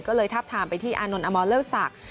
ก็เลยทับทามไปที่อานนท์อมรเลิศศักดิ์